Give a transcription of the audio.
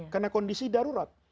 karena kondisi darurat